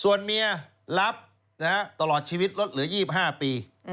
ส่วนเมียรับตลอดชีวิตลดเหลือ๒๕ปี